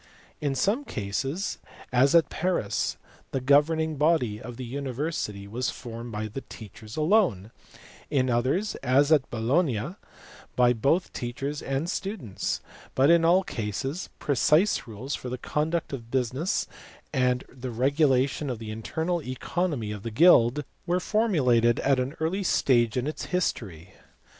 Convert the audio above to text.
I In some cases, as at Paris, the governing body of the university was formed by the teachers alone, in others, as at Bologna, by both teachers and students ; but in all cases precise rules for the conduct of business and the regulation of the internal economy of the guild were formulated at an early stage in its history.